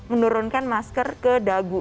menurunkan masker ke dagu